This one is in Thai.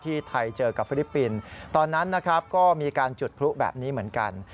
ไทยเจอกับฟิลิปปินส์ตอนนั้นนะครับก็มีการจุดพลุแบบนี้เหมือนกัน